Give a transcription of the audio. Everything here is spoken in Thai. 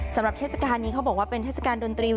เทศกาลนี้เขาบอกว่าเป็นเทศกาลดนตรี